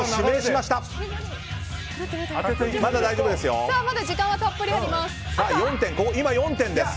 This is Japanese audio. まだ時間はたっぷりあります。